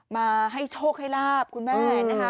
มาให้โชคให้ลาบคุณแม่นะคะ